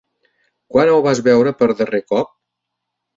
Quan el vas veure per darrer cop?